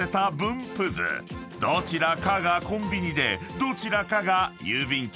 ［どちらかがコンビニでどちらかが郵便局なのだという］